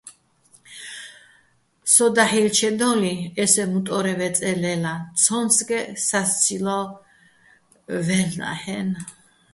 სო დაჰ̦ ჲელჩედო́ლიჼ ესე მუტო́რე ვეწე́ ლე́ლაჼ, ცო́მცგეჸ სასცილო́ ვაჲლ'ნა́ჰ̦-ა́ჲნო̆.